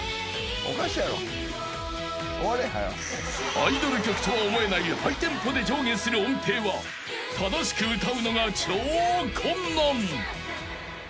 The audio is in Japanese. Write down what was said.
［アイドル曲とは思えないハイテンポで上下する音程は正しく歌うのが超困難］